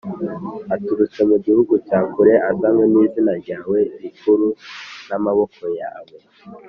aturutse mu gihugu cya kure, azanywe n’izina ryawe rikuru, n’amaboko yawe